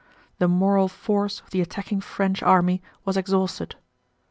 The moral force of the attacking French army was exhausted.